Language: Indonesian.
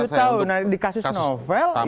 tujuh tahun nah ini di kasus novel